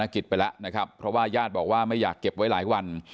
นะครับเพราะว่ายาดบอกไม่อยากเก็บไว้หลายวัน